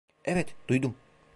Evet, duydum.